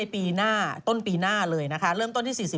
เอาไปทักซี่ไหมพี่ทักซี่